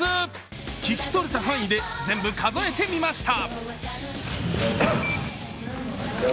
聞き取れた範囲で全部数えてみました。